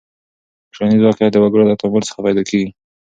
ټولنیز واقعیت د وګړو له تعامل څخه پیدا کیږي.